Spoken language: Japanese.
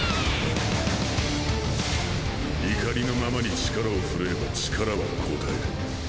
怒りのままに力を振るえば力は応える。